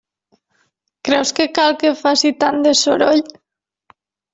Creus que cal que faci tant de soroll?